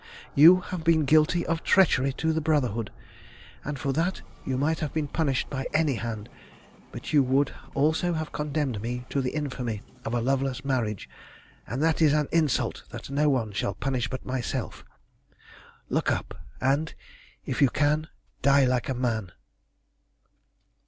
"You have been guilty of treachery to the Brotherhood, and for that you might have been punished by any hand; but you would also have condemned me to the infamy of a loveless marriage, and that is an insult that no one shall punish but myself. Look up, and, if you can, die like a man."